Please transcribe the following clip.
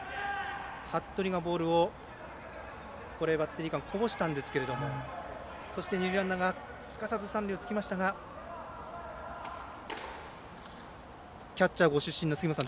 服部がボールをバッテリー間でこぼしたんですが二塁ランナーがすかさず三塁をつきましたがキャッチャーご出身の杉本さん